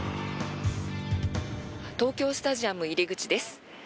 東京スタジアム入り口です。